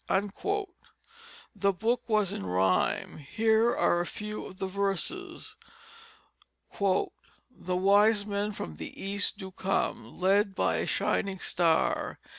The book was in rhyme. Here are a few of the verses: "The Wise Men from the East do come Led by a Shining Star.